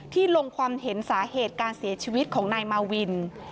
ลงความเห็นสาเหตุการเสียชีวิตของนายมาวิน